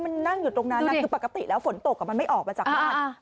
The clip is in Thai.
มันนั่งอยู่ตรงนั้นคือปกติแล้วฝนตกมันไม่ออกมาจากบ้าน